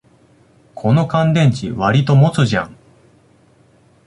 この乾電池、わりと持つじゃん